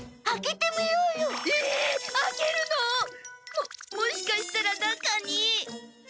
ももしかしたら中に。